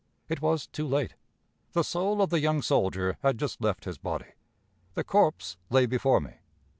It was too late; the soul of the young soldier had just left his body; the corpse lay before me.